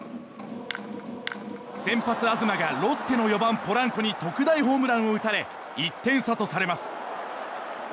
先発、東がロッテの４番、ポランコに特大ホームランを打たれ１点差とされます。